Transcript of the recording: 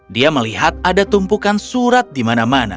dia melihat ada tumpukan surat di mana mana